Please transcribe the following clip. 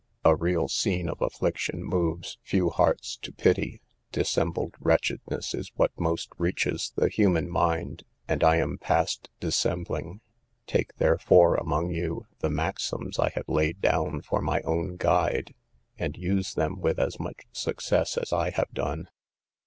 A real scene of affliction moves few hearts to pity: dissembled wretchedness is what most reaches the human mind, and I am past dissembling. Take therefore among you, the maxims I have laid down for my own guide, and use them with as much success as I have done.